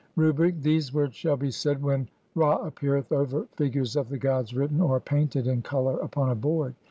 Rubric : [these words] shall be said when ra appeareth over [FIGURES] OF THE GODS WRITTEN {OR PAINTED) IN COLOUR UPON A BOARD